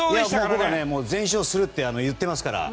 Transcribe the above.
僕は全勝すると言ってますから。